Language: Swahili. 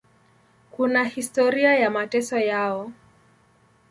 Kuna historia ya mateso yao.